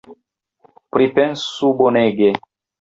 Pripensu bonege!